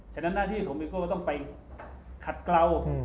ฉะนั้นหน้าที่ของเมโก้ก็ต้องไปขัดเกลา